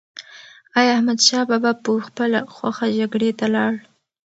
ایا احمدشاه بابا په خپله خوښه جګړې ته لاړ؟